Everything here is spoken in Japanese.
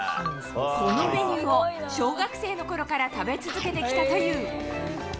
このメニューを小学生のころから食べ続けてきたという。